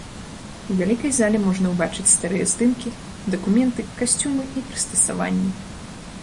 У вялікай зале можна ўбачыць старыя здымкі, дакументы, касцюмы і прыстасаванні.